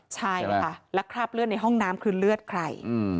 ใช่ค่ะแล้วคราบเลือดในห้องน้ำคือเลือดใคร